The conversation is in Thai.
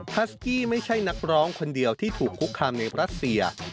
ัสกี้ไม่ใช่นักร้องคนเดียวที่ถูกคุกคามในรัสเซีย